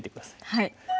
はい。